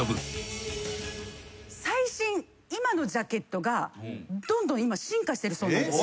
今のジャケットがどんどん進化してるそうなんです。